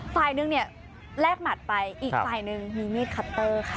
ฝ่ายหนึ่งเนี่ยแลกหมัดไปอีกฝ่ายหนึ่งมีมีดคัตเตอร์ค่ะ